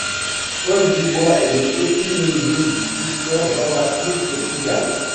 Paul Dubois est le petit-neveu du sculpteur Jean-Baptiste Pigalle.